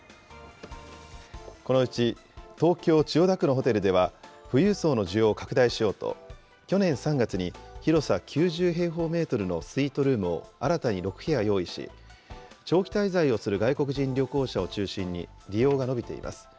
このうち東京・千代田区のホテルでは、富裕層の需要を拡大しようと、去年３月に広さ９０平方メートルのスイートルームを新たに６部屋用意し、長期滞在をする外国人旅行者を中心に、利用が伸びています。